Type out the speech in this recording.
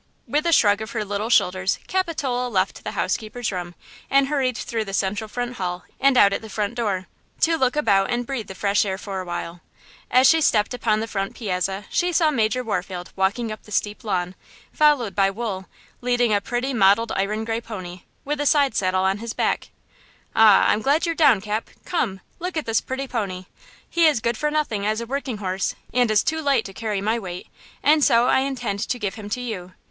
With a shrug of her little shoulders, Capitola left the housekeeper's room and hurried through the central front hall and out at the front door, to look about and breathe the fresh air for a while. As she stepped upon the front piazza she saw Major Warfield walking up the steep lawn, followed by Wool, leading a pretty mottled iron gray pony, with a side saddle on his back. "Ah, I'm glad you're down, Cap! Come! look at this pretty pony! he is good for nothing as a working horse, and is too light to carry my weight, and so I intend to give him to you!